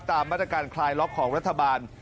ตามมาตรการคลายล็อกของรัฐบาล